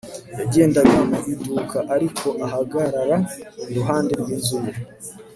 yagendaga mu iduka, ariko ahagarara iruhande rw'inzu ye